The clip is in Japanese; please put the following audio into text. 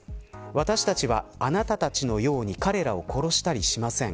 私たちはあなたたちのように彼らを殺したりしません。